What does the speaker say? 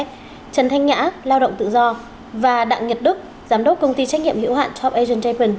trần thanh nhã lao động tự do và đặng nhật đức giám đốc công ty trách nhiệm hiệu hạn top asian japan